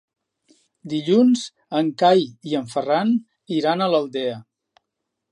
Dilluns en Cai i en Ferran iran a l'Aldea.